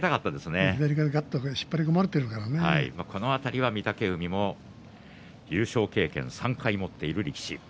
この辺りは御嶽海も優勝経験を３回も持っている力士。